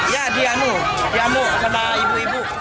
ya dia dia mau sama ibu ibu